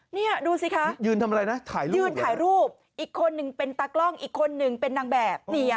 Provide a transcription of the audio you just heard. นี่ดูสิคะยืนถ่ายรูปอีกคนนึงเป็นตากล้องอีกคนนึงเป็นนางแบบ